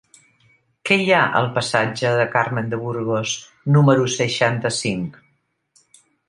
Què hi ha al passatge de Carmen de Burgos número seixanta-cinc?